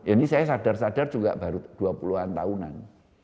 ini saya sadar sadar juga baru dua puluh an tahunan